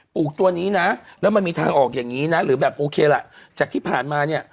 ลูกตัวนี้นะแล้วมันมีทางออกอย่างนี้นะหรือแบบโอเคล่ะจากที่ผ่านมาเนี่ย